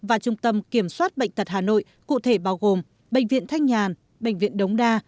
và trung tâm kiểm soát bệnh tật hà nội cụ thể bao gồm bệnh viện thanh nhàn bệnh viện đống đa